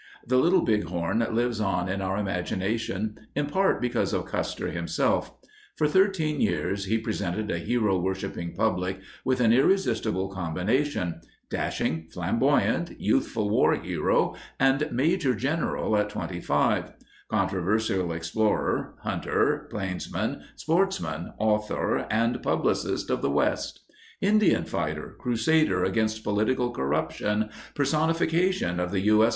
The Little Bighorn lives on in our imagination in part because of Custer himself. For 13 years he presented a hero worshipping public with an irresistible combination: dashing, flamboyant, youthful war hero, and major general at 25; controversial explorer, hunter, plainsman, sportsman, author, and publicist of the West; Indian fighter, crusader against political corrup tion, personification of the U.S.